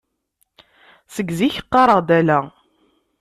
Seg zik qqareɣ-d ala.